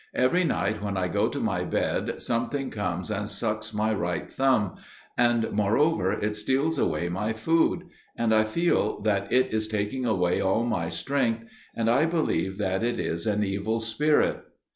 Every night when I go to my bed, something comes and sucks my right thumb, and, moreover, it steals away my food; and I feel that it is taking away all my strength, and I believe that it is an evil spirit."